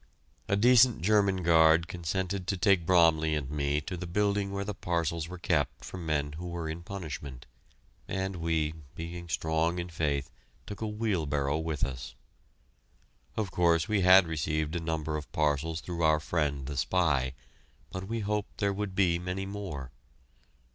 A decent German guard consented to take Bromley and me to the building where the parcels were kept for men who were in punishment, and we, being strong in faith, took a wheelbarrow with us. Of course, we had received a number of parcels through our friend the spy, but we hoped there would be many more.